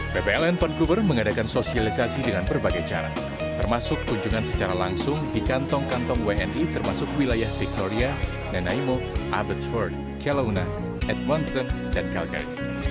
ppln vancouver mengadakan sosialisasi dengan berbagai cara termasuk kunjungan secara langsung di kantong kantong wni termasuk wilayah victoria nanaimo abbotsford kelauna edmonton dan kalkar